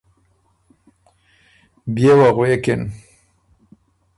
بيې وه غوېکِن:ـ